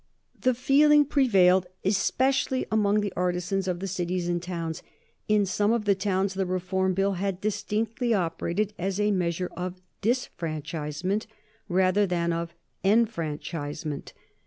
The feeling prevailed especially among the artisans in the cities and towns. In some of the towns the Reform Bill had distinctly operated as a measure of disfranchisement rather than of enfranchisement.